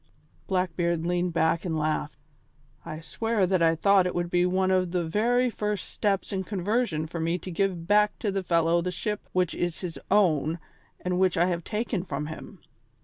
Blackbeard leaned back and laughed. "I swear that I thought it would be one of the very first steps in conversion for me to give back to the fellow the ship which is his own and which I have taken from him.